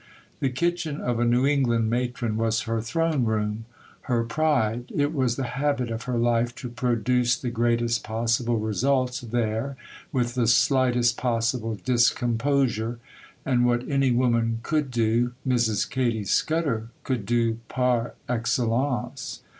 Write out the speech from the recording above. The kitchen of a New England matron was her throne room, her pride; it was the habit of her life to produce the greatest possible results there with the slightest possible discomposure; and what any woman could do, Mrs. Katy Scudder could do par excellence.